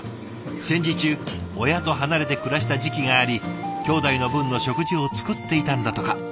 戦時中親と離れて暮らした時期がありきょうだいの分の食事を作っていたんだとか。